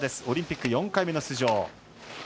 オリンピック４回目の出場。